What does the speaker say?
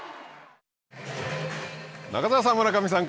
中澤さん、村上さん